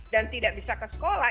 dan tidak bisa ke sekolah